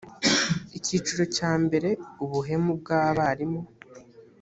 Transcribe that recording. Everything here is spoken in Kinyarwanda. icyiciro cya mbere ubuhemu bwabarimu